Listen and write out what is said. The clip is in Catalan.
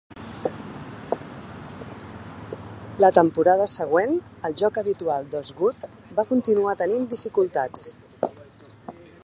La temporada següent, el joc habitual d'Osgood va continuar tenint dificultats.